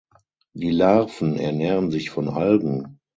Die Larven ernähren sich von Algen.